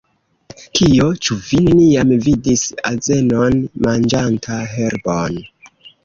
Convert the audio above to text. Kio? Ĉu vi neniam vidis azenon manĝanta herbon?